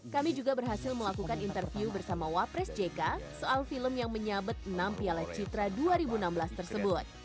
kami juga berhasil melakukan interview bersama wapres jk soal film yang menyabet enam piala citra dua ribu enam belas tersebut